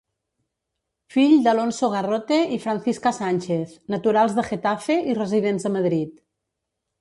Fill d'Alonso Garrote i Francisca Sánchez, naturals de Getafe i residents a Madrid.